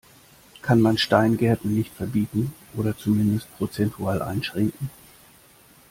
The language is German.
Kann man Steingärten nicht verbieten, oder zumindest prozentual einschränken?